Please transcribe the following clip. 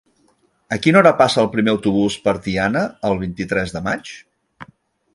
A quina hora passa el primer autobús per Tiana el vint-i-tres de maig?